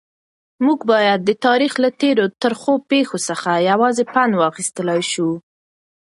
موږ باید د تاریخ له تېرو ترخو پیښو څخه یوازې پند واخیستلای شو.